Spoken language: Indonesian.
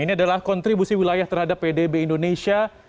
ini adalah kontribusi wilayah terhadap pdb indonesia